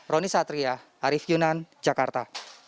roni satria arief yunan jakarta